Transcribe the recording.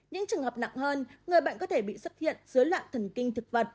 những trường hợp nặng hơn người bệnh có thể bị xuất hiện dưới loạn thần kinh thực vật